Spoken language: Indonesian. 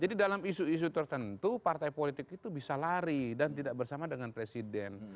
jadi dalam isu isu tertentu partai politik itu bisa lari dan tidak bersama dengan presiden